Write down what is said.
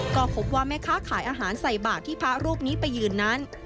ก็พบว่าแม่ค้าขายอาหารใส่บาทที่พระรูปนี้ไปยืนนั้น